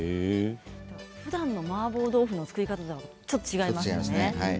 ふだんのマーボー豆腐の作り方とちょっと違いますね。